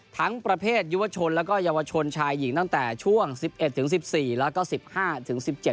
ทั้งประเภทยุวชนและเยาวชนชายหญิงตั้งแต่ช่วง๑๑๑๔และ๑๕๑๗